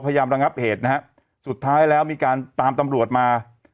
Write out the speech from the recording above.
ระงับเหตุนะฮะสุดท้ายแล้วมีการตามตำรวจมา